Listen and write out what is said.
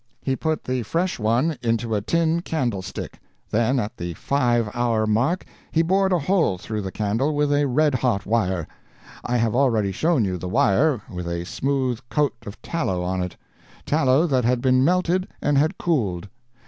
"He put the fresh one into a tin candlestick. Then at the five hour mark he bored a hole through the candle with a red hot wire. I have already shown you the wire, with a smooth coat of tallow on it tallow that had been melted and had cooled.